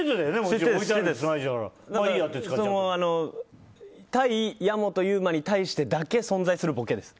一応、対矢本悠馬に対してだけ存在するボケです。